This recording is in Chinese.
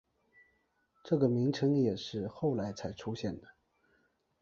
这个名称也是后来才出现的。